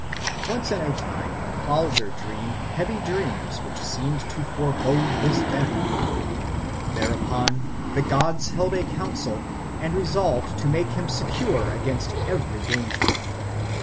Once on a time Balder dreamed heavy dreams which seemed to forebode his death. Thereupon the gods held a council and resolved to make him secure against every danger.